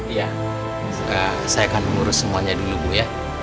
iya saya akan mengurus semuanya dulu bu ya